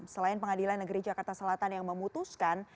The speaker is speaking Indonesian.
selain pengadilan negeri jakarta selatan yang memutuskan